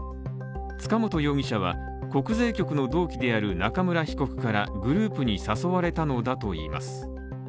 塚本容疑者は国税局の同期である中村被告からグループに誘われたのだといいます。